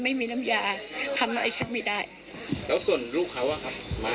ไม่มีน้ำยาทำอะไรแชทไม่ได้แล้วส่วนลูกเขาอ่ะครับมา